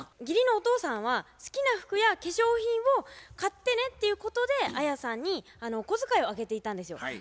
義理のお父さんは好きな服や化粧品を買ってねっていうことでアヤさんにお小遣いをあげていたんですよ。